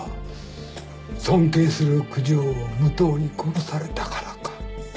尊敬する九条を武藤に殺されたからか。